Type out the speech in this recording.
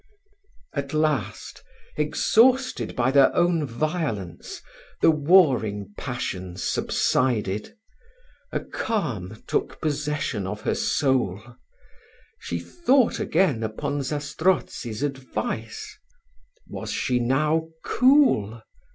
At last, exhausted by their own violence, the warring passions subsided a calm took possession of her soul she thought again upon Zastrozzi's advice Was she now cool?